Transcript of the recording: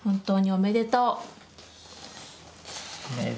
おめでとう。